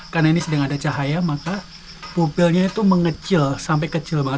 karena ini sedang ada cahaya maka pupilnya itu mengecil sampai kecil banget